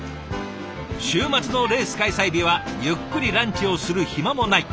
週末のレース開催日はゆっくりランチをする暇もない。